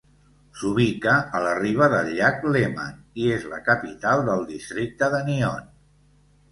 S'ubica a la riba del llac Léman, i és la capital del districte de Nyon.